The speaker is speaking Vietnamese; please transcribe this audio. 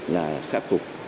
là khắc phục